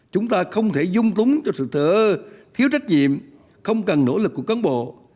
chúng ta không thể dung túng cho sự thở ơ thiếu trách nhiệm không cần nỗ lực của cán bộ